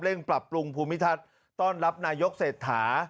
ปรับปรุงภูมิทัศน์ต้อนรับนายกเศรษฐา